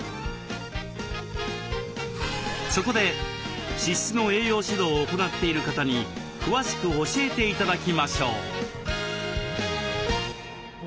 そこで脂質の栄養指導を行っている方に詳しく教えて頂きましょう。